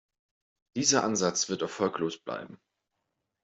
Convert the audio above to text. Dieser Ansatz wird erfolglos bleiben.